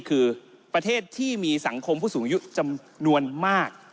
คือประเทศที่มีสังคมผู้สูงอายุจำนวนมาก